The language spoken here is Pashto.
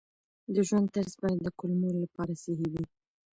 د ژوند طرز باید د کولمو لپاره صحي وي.